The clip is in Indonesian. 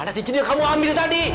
mana cincinnya yang kamu ambil tadi